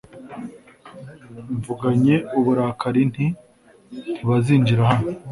mvuganye uburakari nti ntibazinjira hano